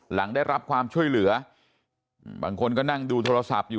หลังได้รับความช่วยเหลือบางคนก็นั่งดูโทรศัพท์อยู่